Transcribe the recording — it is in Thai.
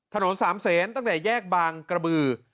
ถนนสามเซนตั้งแต่แยกบางกระบือ